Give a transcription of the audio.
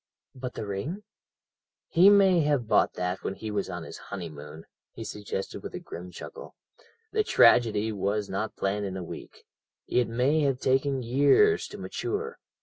"But the ring?" "He may have bought that when he was on his honeymoon," he suggested with a grim chuckle; "the tragedy was not planned in a week, it may have taken years to mature.